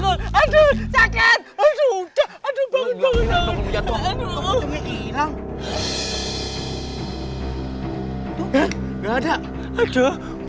orang mau kabur